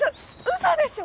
嘘でしょ！？